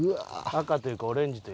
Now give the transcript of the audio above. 赤というかオレンジというかね。